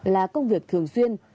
là công việc thường xuyên